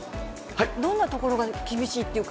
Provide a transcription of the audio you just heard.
どんなところが厳しいっていうか。